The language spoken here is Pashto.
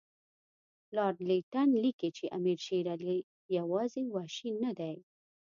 لارډ لیټن لیکي چې امیر شېر علي یوازې وحشي نه دی.